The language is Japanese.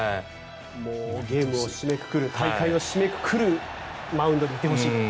ゲームを締めくくる大会を締めくくるマウンドにいてほしいと。